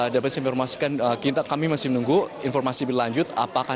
dapat saya informasikan kami masih menunggu informasi berlanjut